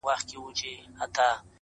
• هر یوه ته نیمايی برخه رسیږي -